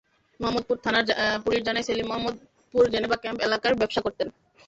মোহাম্মদপুর থানার পুলিশ জানায়, Selim Mohammadpur Geneva camp এলাকায় ব্যবসা করতেন।